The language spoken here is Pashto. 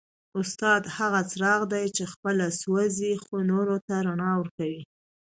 استاد هغه څراغ دی چي خپله سوځي خو نورو ته رڼا ورکوي.